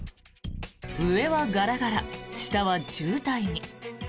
上はガラガラ、下は渋滞に。